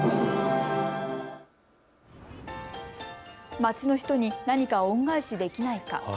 街の人に何か恩返しできないか。